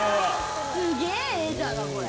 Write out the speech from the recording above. すげぇ画だなこれ。